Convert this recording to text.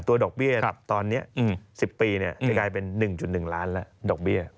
ดอกเบี้ยตอนนี้๑๐ปีจะกลายเป็น๑๑ล้านแล้วดอกเบี้ย